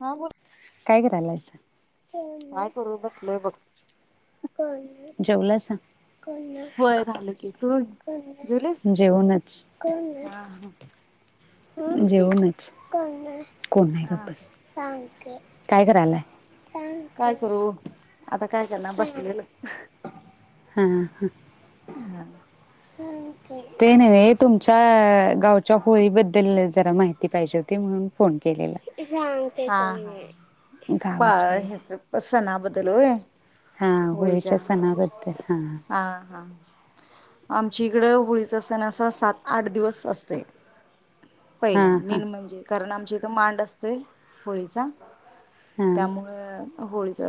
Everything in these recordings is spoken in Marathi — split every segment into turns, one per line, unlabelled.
हां बोल.
काय कराल्यात?
काय करू? बसलोय बघ.
[unintelligible] जेवला सांग. [unintelligible]
होय
गप्प
झालं की तू जेवलीस?
बस जेवूनच
हा हा
[unintelligible] उम्म,
बोल की
जेवूनच. कोणंय? कोण नाही,
हा
गप्प बस. सांग की? काय करालाय? सांग
काय
की?
करू आता काय त्यांना बसलेलं.
हम्म, हं.
[unintelligible]
हम. ते नव्हे, तुमच्या गावच्या होळीबद्दल जरा माहिती पाहिजे होती, म्हणून फोन केलेला. सांगते
हा
कोणे? गावाची आई आहे.
सनाबद्दल होय,
हा
होळीच्या
सणाबद्दल हा
आ हा. आमची इकडं होळीचा सण असा सात-आठ दिवस असतोय.
हा
पहिला
हा
मेन म्हणजे कारण आमच्या इथं मांड असतोय होळीचा.
हा
त्यामुळं होळीच,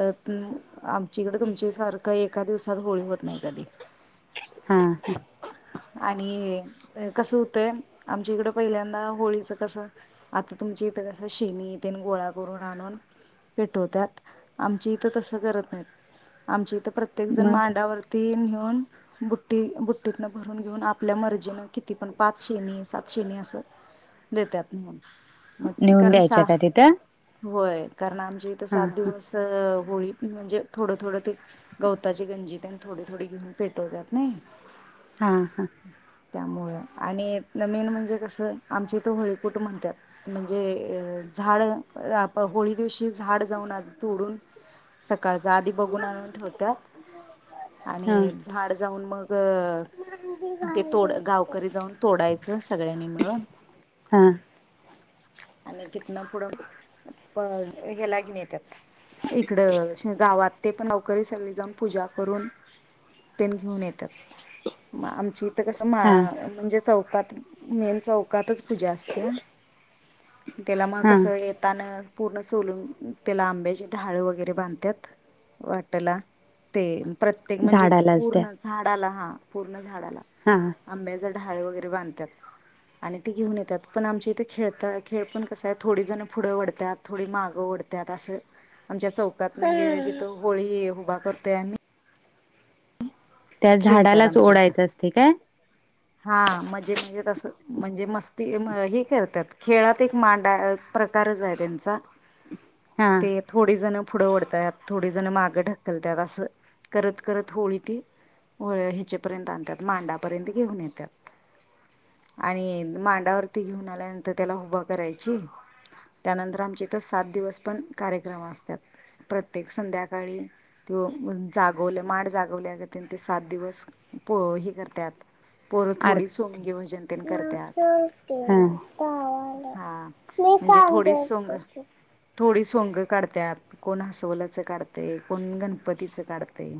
आमच्याकडे तुमच्या सारखं एका दिवसात होळी होत नाही कधी.
हाहा
आणि हे कसं होतंय आमच्या इकडं पहिल्यांदा होळीच कस आता तुमची इथे कस शेनी येथे गोळा करून आणून पेटवतत आमची इथं तस करत नाहीत, आमची इथं प्र जण
मग
मांडावरती नेऊन बुट्टी बुट्टीत न भरून घेऊन आपल्या मर्जीनं किती पण पाच शेणी सात शेणी असं देत्यात मग.
नेऊन
कारण
द्यायच्या
सा
का तिथं?
होय, कारण आमची इथं
हा
सात दिवस होळी म्हणजे थोडं थोडं ते गवताची गंजी त्यां थोडी थोडी घेऊन पेटवतात नाही.
हा हा
आणि त्यामुळं आणि मेन म्हणजे कसं आमची त होळी कूट म्हणतात. म्हणजे अ झाड आप होळी दिवशी झाड जाऊन तोडून सकाळच्या आधी बघून आणून ठेवतात,
हा
आणि झाड जाऊन मग ते तोड गावकरी जाऊन तोडायचं सगळ्यांनी मिळून.
हा
आणि तिथनं पुढं हे लागी येत्यात इकडं शेगावात. ते पण गावकरी सगळी जन पूजा करून तेन घेऊन येतात, मग आमची तर कसं मा
हा
म्हणजे चौकात, मेन चौकातच पूजा असते. तेला मग
हा
कसं येत हातानं पूर्ण सोलून त्याला आंब्याची ढाळं वगैरे बांधतात, वाटाला ते प्रत्येक म्हणजे,
झाडालाच द्या
पूर्ण झाडाला हा पूर्ण झाडाला
हा हा [unintelligible]
आंब्याचा ढाळ वगैरे बांधतात आणि ते घेऊन येतात, पण आमच्या इथे खेळतात. आ खेळ पण कस आहे थोडी जण पुढं वढतात थोडी मागं ओढतात असं आमच्या चौकात म्हणजे, जिथं होळी उभा करतोय आम्ही.
त्या
खेळतात
झाडालाच
आमच्या इथं
ओढायचं असते काय?
हा म्हणजे म्हणजे तसं म्हणजे मस्ती हे करतात, खेळात एक मांडा प्रकारच आहे त्यांचा.
- [unintelligible]
ते थोडे जण पुढं ओढतात थोडे जण मागं ढकलतात असं करत करत होळी ते वळ हिचेपर्यंत आणतात मांडापर्यंत घेऊन येतात. आणि मांडावरती घेऊन आल्यानंतर त्याला उभा करायची त्यानंतर आमच्या इथं सात दिवस पण कार्यक्रम असतात, प्रत्येक संध्याकाळी त जागवले माड जागवल्या ते सात दिवस पोही करतात. पोर थोडी
आरती
सोमगी भजनते करतात हा
मी
म्हणजे
काम
थोडीच सोंग
करते ते.
थोडी सोंग काढतत कोण असवलाचं काढते, कोण गणपतीचं काढते.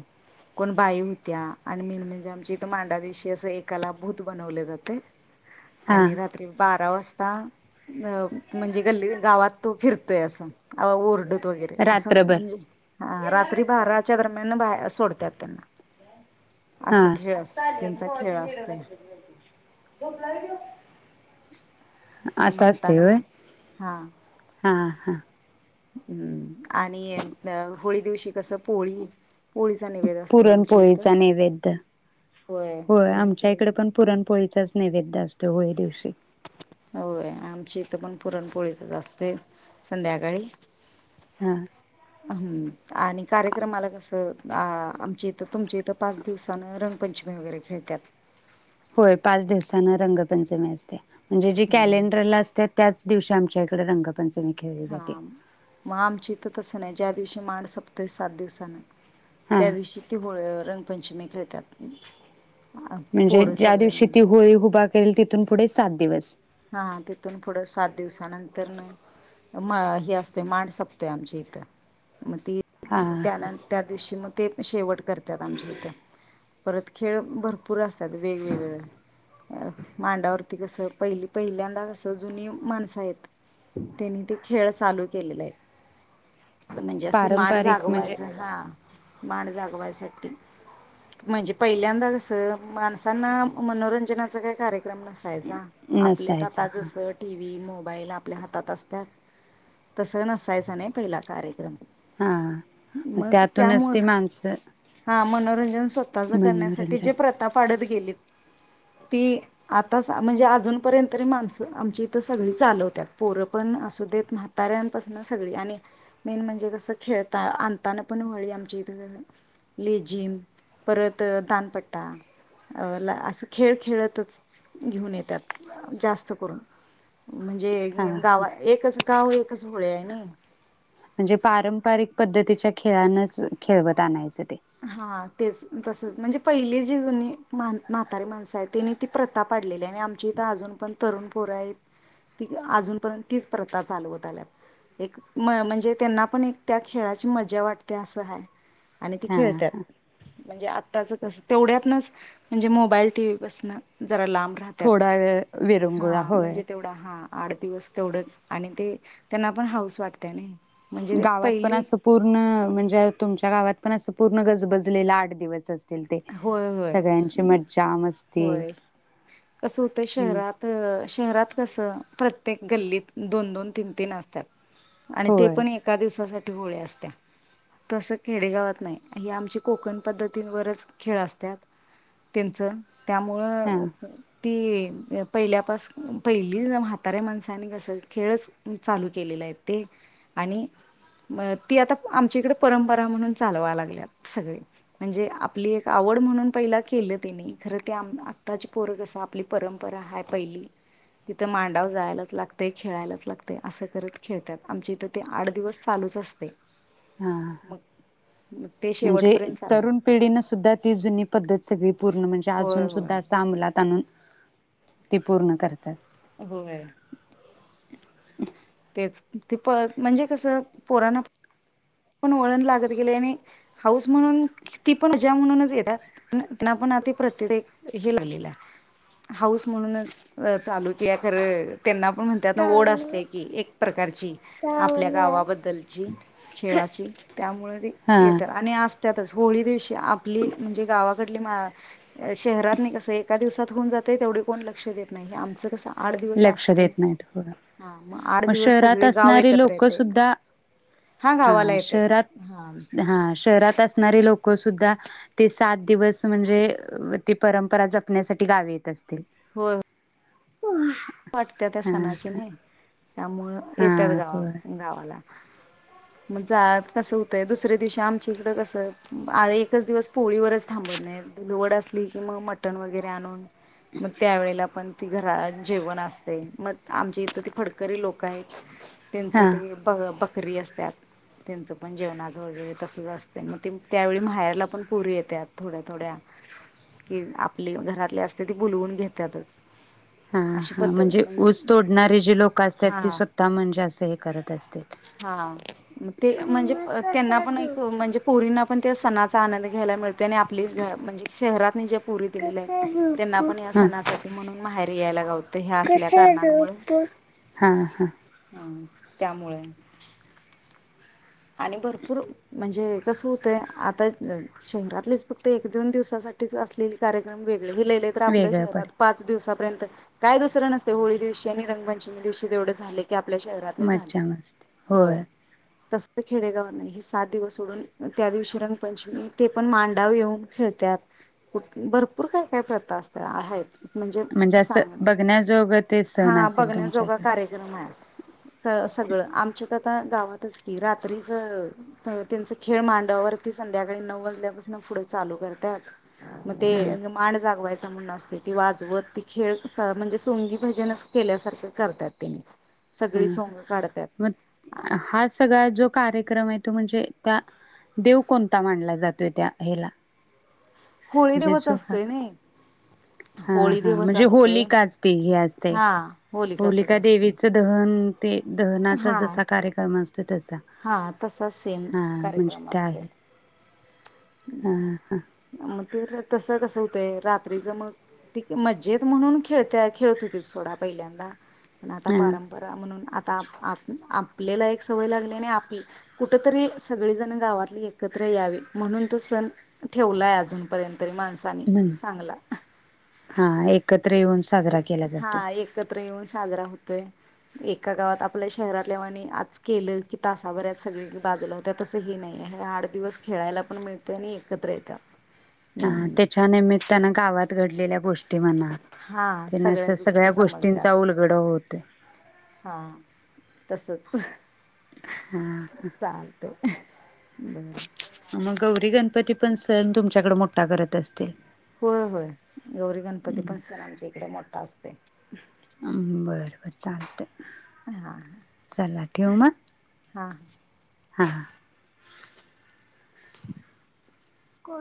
कोण बाई होत्या आणि मेन म्हणजे आमच्या इथ मांडा दिवशी असं एक एकाला भूत बनवले जाते,
हा
आणि रात्री बारा वाजता अ म्हणजे गल्ली गावात तो फिरतोय असं ओरड. वगैरे असं
रात्रभर
म्हणजे हा रात्री बाराच्या दरम्यान बाहेर सोडतात त्यांना.
हा
असं
[inaudible]
खेळ असत त्यांचा खेळ असतोय
असं असते
म्हनताना म
होय
[inaudible] हा.
हा हा.
हम्म, आणि होळी दिवशी कसं पोळी पोळीचा निवेद असतोय आमची इथं.
पुरणपोळीचा नैवेद्य
[inaudible] होय पुरण
आमच्या इकडे
पोळीचा.
पण पुरणपोळीचाच नैवेद्य असतो होळी दिवशी.
होय. आमची इथं पण पुरणपोळीच असतय संध्याकाळी.
हा.
हम्म आणि कार्यक्रमाला कसं? आमची इथ तुमची इथ पाच दिवसान रंगपंचमी वगैरे खेळतात.
होय पाच दिवस रंगपंचमी असते. म्हणजे जे
हां
कॅलेंडर ला असत्यात त्याच दिवशी आमच्या इकडे रंग पंचमी खेळतात.
हा. मग आमची इथ तसं नाही, ज्या दिवशी मांड संपतोय सात दिवसान
हा
त्या दिवशी ती होळ रंगपंचमी खेळतात. अ,
म्हणजे
पोरं
ज्या
सगळे
दिवशी
मिळून
ती होळी उभा करील तिथून पुढे सात दिवस.
हा तिथून पुढं सात दिवसानंतर म हे असते मांड सपते आमची इथं. मग ती
हा
त्यानंतर दिवशी मग ते शेवट करतात आमच्या इथे. परत खेळ भरपूर असतात वेगवेगळे. अ मांडावरती कसं पहिली पहिल्यांदा असं जुनी माणसं त्यांनी ते खेळ चालू केलेले आहे. म्हणजे असं माांड
पारंपरिक म्हणजे
जागवायचं. हा माांड जागवायसाठी. म्हणजे पहिल्यांदा कस, माणसांना मनोरंजनाचा काही कार्यक्रम नसायचा. आपले तर आता
नसायचा
जसं टी व्ही मोबाईल आपल्या हातात असतात. तस नसायचं नाही पहिला कार्यक्रम.
हा.
मग
त्यातूनच
त्यामुळ
ती माणसं
[inaudible] हां मनोरंजन स्वतःचं करण्यासाठी
मनोरंजन
जे प्रत प्रथा पाडत गेली. [inaudible] ती आ म्हणजे अजून पर्यंत तरी माणसं आमची इथं सगळी चालवतात. पोरं पण असू देत, म्हाताऱ्यांपासनं सगळी आणि मेन म्हणजे कसं खेळता. आणताना पण होळी आमची इथंसं लेजीम परत दान पट्टा ला असं खेळ खेळतच घेऊन येतात. जास्त करून. म्हणजे
हा
गाव एकच गाव एकच होळी आहे ना.
म्हणजे पारंपरिक पद्धतीच्या खेळानच, खेळवत आणायचं ते.
हा तेच तसच. म्हणजे पहिली जी जुनी, मा ्हातारी माणसं आहे त्यांनी ती प्रथा पाडलेली. आणि आमची इथं अजून पण तरुण पोर आहेत ती अजूनपर्यंत तीच प्रथा चालवत आल्यात. एक म म्हणजे त्यांना पण एक त्या खेळाची मजा वाटते असं आहे. आणि ति
हा हा.
म्हणजे आताच कस? तेवढ्यातनच म्हणजे मोबाईल टी व्ही पासण जरा लांब राहत.
थोडा वेळ विरंगुळा होइल.
पुढ हा. आठ दिवस तेवढंच. आणि ते, त्यांना पण हाऊस वाटते ना. म्हणजे ते
गावात पण
पहिली
असं पूर्ण, म्हणजे तुमच्या गावात पण असं पूर्ण गजबजलेला आठ दिवसच केलते
होय होय
सगळ्यांची मजा मस्ती,
होय
हम्म
त शहरात कसं, प्रत्येक गल्लीत, दोन, दोन, तीन, तीन असत्यात आणि ते
होय
पण एका दिवसासाठी होळी असत्या. तसं खेडेगावात नायं, ही आमची कोकण पद्धतींवरच खेळ अस्तात त्यांचं, त्यामुळं
हा
अ ह ती पहिल्यापास, पहिली म्हाताऱ्या माणस आणि कस खेळच चालू केलेलं आहेत ते. आणि म ती आता आमच्याकडे परंपरा म्हणून चालवाय लागल्यात सगळे, म्हणजे आप आपली एक आवड म्हणून पहिला केलं त्यांनी, खरं ते आमं आत्ताची पोर कसं, आपली परंपरा हाय पहिली तिथं मांडाव जायलाच लागतय. खेळायलाच लागतय. असं करत खेळत्यात. आमच्या इथं ते आट दिवस चालूच असतय.
हा, हा,
ते
म्हणजे
शेवटपर्यंत चालू
तरुण पिढीन सुद्धा ती जुनी पद्धत सगळी पूर्ण म्हणजे,
होय
अजून सुद्धा
होय
अस अमंलात आणुन ती पूर्ण करतात.
होय. तेच, ते प म्हणजे कसं पोरांना पण वळण लागत गेलय. आणि, हाऊस म्हणून ती पण मजा म्हणूनच येता, पण आपण आती प्रत्य हे लागलेलं हाय हाऊस म्हणूनच अ चालूतीया खरं, त्यांना पण म्हणत्यात, ओढ असते की, एक प्रकारची- आपल्या गावाबद्दलची, खेळाची, त्यामुळे ती
हा
येता आणि आस त्यातच होळी दिवशी आपली, म्हणजे गावाकडली मा शहरात न कसं एका दिवसात होऊन जातय, तेवढे कोण लक्ष देत नाही. आमचं कसां आट दिवस
लक्ष
असतय,
देत नाहीत हो
हा म आट
मग
दिवस
शहरात
सगळे गाव
असणारे
एकत्र
लोक
येतयं.
सुद्धा हा शहरात,
हा
हा शहरात असणारे लोकं सुद्धा, ते सात दिवस म्हणजे, ती परंपरा जपण्यासाठी गावी येत असतील.
होय.
[unintelligible]
वाटत्या त्या
हा
सणाची नाय, त्यामुळ येत्यात
हा
गाव
होय
गावाला.
[inaudible]
म जाळात कसं होतंय, दुसऱ्या दिवशी आमच्या इकडं कसं, आ एकच दिवस पोळीवरच थांबत नाहीत. धुलवड असली की, म मटन वगैरे आणून, म त्यावेळेला पण ती घरा जेवण असतय. मग आमच्या इथं ते फडकरी लोकं आहेत.
हा
त्यांचं ते ब बकरी आसत्यात त्यांचं पण जेवणाच वगैरे तसंच असतय. म ते त्यावेळी माहेरला पण पोरी येत्यात थोड्या थोड्या की, आपले घरातले असते, ते बोलवून घेत्यातच.
हा हा, म्हणजे ऊस तोडणारे जे लोक असत्यात,
हा
ती स्वतः म्हणजे, असं हे करत असतील.
हा, म ते म्हणजे त्यांना
कसा
पण एक
झोपू
म्हणजे पोरींना पण त्या सणाचा आनंद घ्यायला मिळ त. आणि आपली घ म्हणजे शहरात ज्या पोरी दिलेल्या हायत,
कसा
त्यांना
झोपू
पण या सणासाठी म्हणून माहेरी याला गावतय. ह्या असल्या
कसा
कारणमुळं,
झोपू हा हा
हूं त्यामुळे आणि भरपूर म्हणजे कस होतय. आता शहरातलेच फक्त एक दोन दिवसासाठीच असलेली कार्यक्रम वेगळे, हे लय लय त आपल्या
वेगळं
शहरात
पडतं
पाच दिवसा पर्यंत, काय दुसरं नसतय. होळी दिवशी आणि रंगपंचमी दिवशी तेवढ झाले की आपल्या शह झाल
मज्जा मस्ती
होय तसल खेडेगाव नाही. सात दिवस सोडून, त्या दिवशी रंगपंचमी ते पण मांडाव येऊन खेळत्यात. कुठ भरपूर काय काय प्रथा असत्याय हायत. म्हणजे सांग म
असं बघण्याजोगं ते सण
हा
असेल तुमच्या
बघण्याजोगा
इकडे
कार्येक्र मय सगळं आमच्यात आता गावातच कि रात्रीच तर त्यांचा खेळ मांडवावरती संध्याकाळी नऊ वाजल्यापासन पुढे चालू करत्यात. मग
हा
ते मांड जागवायचा म्हणून असतोय ती वाजवत ती खेळ कस म्हणजे सोंगी भजनच केल्यासारखं करतात तेनी. [inaudible]
हम्म मग हा सगळा जो कार्यक्रम आहे तो म्हणजे त्या देव कोणता मानला जातोय त्या हेला? [inaudible]
होळी देवच
जो हा
असतोय नाही.
हा
होळी
हा
देवच
म्हणजे
असतोय
होलिकाच ती हे असते
हा. होलिकाचच
होलिका
असते.
देवीच दहन ते दहनाचा
हा.
जसा कार्यक्रम असतोय तसा.
हा तसाच सेम
हा म्हणजे
कार्यक्रम असतोय.
हां हा.
मग तर तस कसं होतंय रात्रीच मग ती मज्जेत म्हणून खेळत खेळत होती सोडा पहिल्यांदा पण आता
हा
पारं परंपरा म्हणून आता आ आपल्याला एक सवय लागलीय अन आपली कुठतरी सगळीजण गावातली एकत्र यावी. म्हणून तो सण ठेवलाय अजूनपर्यंत तरी माणसानी
म्हण
चांगला.
हा एकत्र येऊन साजरा केला
हा
जातोय
एकत्र येऊन साजरा होतोय. एका गावात आपल्या शहरातल्यावानी आज केलं की तासाभऱ्यात सगळी बाजूला होत्या तसं हे नाही आहे हे आठ दिवस खेळायला पण मिळते आणि एकत्र येतात. मेन
हा
म्हणजे
त्याच्या निमित्तानं गावात घडलेल्या गोष्टी म्हणा
हा
त्यांन अस
सगळ्याच गोष्टी
सगळ्या
समजतात
गोष्टींचा उलगडा होतो.
हा तसच.
हां हां.
[unintelligible]
मग गौरी गणपती पण सण तुमच्याकडे मोठा करत असतील?
होय होय गौरी गणपती पण सण आमच्या इकडे मोठा असतोय.
बरं बरं चालतय,
हा
चला ठेवू मग?
हां.
हां. [inaudible] को